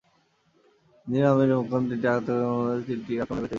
Engineer Amir Mokam তিনটি আত্মঘাতী হামলা সহ তার জীবনের সাতটি আক্রমণে বেঁচে গিয়েছিলেন।